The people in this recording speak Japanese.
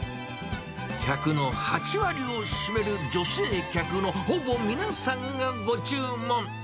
客の８割を占める女性客のほぼ皆さんがご注文。